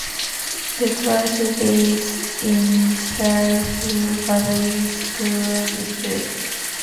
The township is in Schuylkill Valley School District.